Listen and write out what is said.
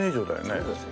そうですよ。